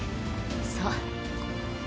そう。